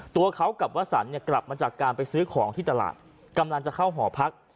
ตัวเขากับวสันเนี่ยกลับมาจากการไปซื้อของที่ตลาดกำลังจะเข้าหอพัก